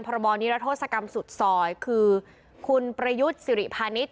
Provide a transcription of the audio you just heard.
พระบอร์นิรัตโทษกรรมสุดซอยคือคุณประยุทธ์สิริพานิษฐ์